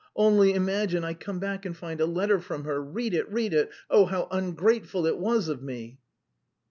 _ Only imagine, I come back and find a letter from her; read it, read it! Oh, how ungrateful it was of me!"